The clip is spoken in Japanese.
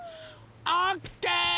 オッケー！